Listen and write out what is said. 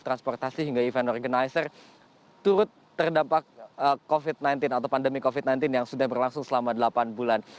transportasi hingga event organizer turut terdampak covid sembilan belas atau pandemi covid sembilan belas yang sudah berlangsung selama delapan bulan